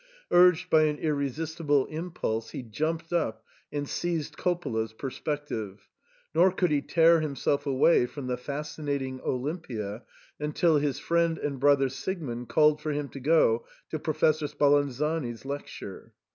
Urged by an irresistible impulse he jumped up and seized Coppola's perspec tive ; nor could he tear himself away from the fascinat ing Olimpia until his friend and brother Siegmund called for him to go to Professor Spalanzani's lecture.